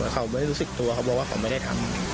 เขาไม่ได้รู้สึกตัวเขาบอกว่าเขาไม่ได้ทำ